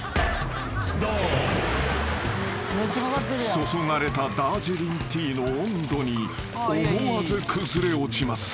［注がれたダージリンティーの温度に思わず崩れ落ちます］